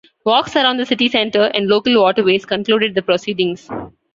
Walks around the city centre and local waterways concluded the proceedings.